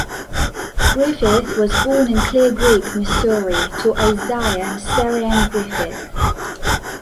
Griffith was born in Clear Creek, Missouri, to Isaiah and Sarah Anne Griffith.